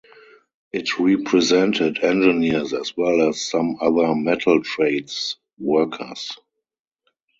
It represented engineers, as well as some other metal trades workers.